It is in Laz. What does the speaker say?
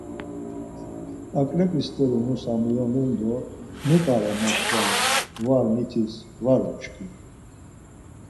Aǩrep̌i steri nusa miyonun do mu p̌are ma xvala var mitis var uçkin.